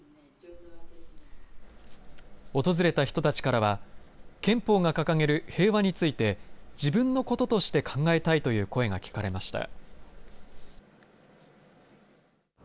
訪れた人たちからは、憲法が掲げる平和について、自分のこととして考えたいという声が聞かれました。